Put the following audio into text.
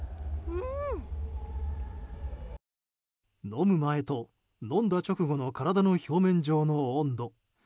飲む前と飲んだ直後の体の表面上の温度。